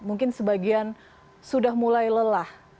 mungkin sebagian sudah mulai lelah